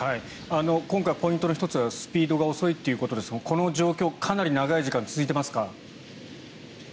今回、ポイントの１つがスピードが遅いということですがこの状況、かなり長い時間続いていますか。